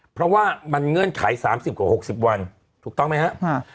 เพราะว่ามันเงื่อนไข๓๐กว่า๖๐วันถูกต้องไหมครับ